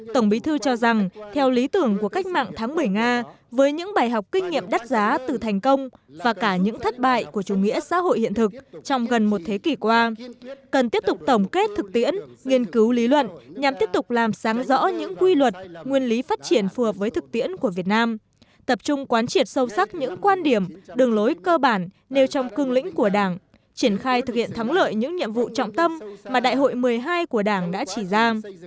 tổng bí thư cho rằng theo lý tưởng của cách mạng tháng một mươi nga với những bài học kinh nghiệm đắt giá từ thành công và cả những thất bại của chủ nghĩa xã hội hiện thực trong gần một thế kỷ qua cần tiếp tục tổng kết thực tiễn nghiên cứu lý luận nhằm tiếp tục làm sáng rõ những quy luật nguyên lý phát triển phù hợp với thực tiễn của việt nam tập trung quán triệt sâu sắc những quan điểm đường lối cơ bản nêu trong cưng lĩnh của đảng triển khai thực hiện thắng lợi những nhiệm vụ trọng tâm mà đại hội một mươi hai của đảng đã chỉ ra